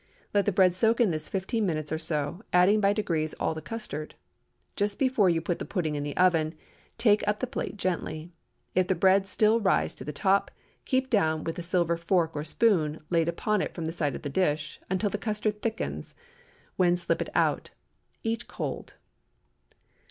Let the bread soak in this fifteen minutes or so, adding by degrees all the custard. Just before you put the pudding in the oven, take up the plate gently. If the bread still rise to the top, keep down with a silver fork or spoon, laid upon it from the side of the dish, until the custard thickens, when slip it out. Eat cold.